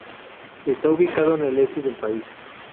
Está ubicado en el este del país.